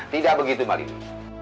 tidak begitu malini